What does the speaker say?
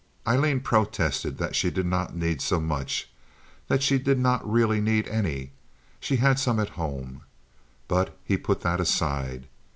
Aileen protested that she did not need so much—that she did not really need any—she had some at home; but he put that aside.